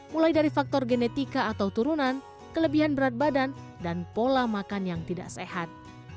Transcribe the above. mulai dari faktor genetika atau turunan kelebihan berat badan dan pola makan yang tidak sehat